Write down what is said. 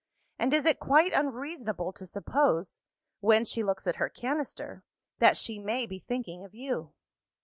and is it quite unreasonable to suppose (when she looks at her canister) that she may be thinking of you?